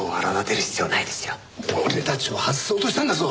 俺たちを外そうとしたんだぞ！